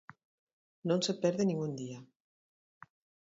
Non se perde nin un día.